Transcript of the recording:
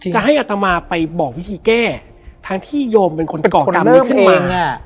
จะให้อัตมาไปบอกวิธีแก้ทางที่โยมเป็นคนเกาะกรรมนี้ขึ้นมา